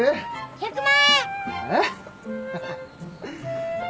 １，０００万